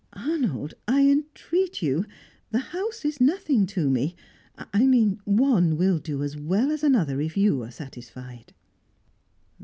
"Arnold, I entreat you! The house is nothing to me. I mean, one will do as well as another, if you are satisfied."